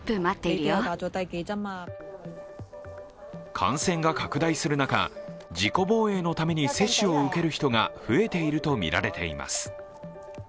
感染が拡大する中自己防衛のために接種を受ける人が増えているとみられています。